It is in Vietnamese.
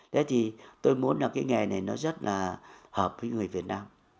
thế thì tôi muốn là cái nghề này nó rất là hợp với người việt nam